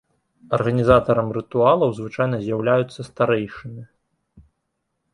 Арганізатарам рытуалаў звычайна з'яўляюцца старэйшыны.